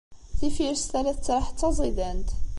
Tifirest-a la tettraḥ d taẓidant.